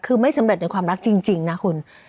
คือไม่สำเร็จในความรักจริงนะคุณ